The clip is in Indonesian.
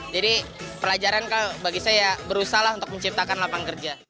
jadi pelajaran bagi saya ya berusaha untuk menciptakan lapangan kerja